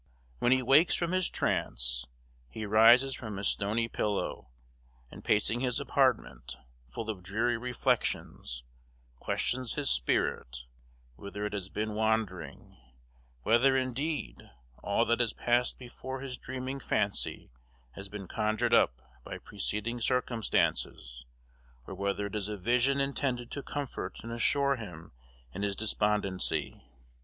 When he wakes from his trance, he rises from his stony pillow, and, pacing his apartment, full of dreary reflections, questions his spirit, whither it has been wandering; whether, indeed, all that has passed before his dreaming fancy has been conjured up by preceding circumstances, or whether it is a vision intended to comfort and assure him in his despondency.